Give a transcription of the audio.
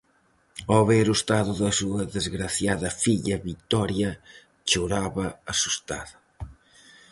Ao ver o estado da súa desgraciada filla, Vitoria choraba asustada.